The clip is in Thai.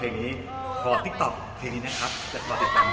พิธีกรไม่รู้จักเพลง